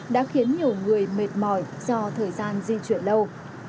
đã khiến nhiều người mệt mỏi do thời gian di chuyển lâu